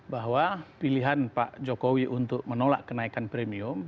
bahwa pilihan pak jokowi untuk menolak kenaikan premium